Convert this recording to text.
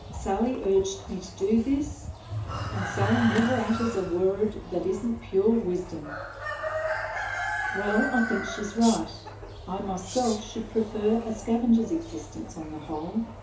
Sally urges me to do ut, and Sally never utters a worrud that isn't pure wisdom." "Well, I think she's right. I myself should prefer a scavenger's existence, on the whole.